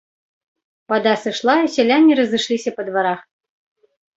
Вада сышла, і сяляне разышліся па дварах.